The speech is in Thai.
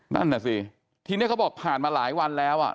นั่นน่ะสิทีนี้เขาบอกผ่านมาหลายวันแล้วอ่ะ